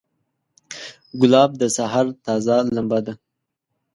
ګلاب د سحر تازه لمبه ده.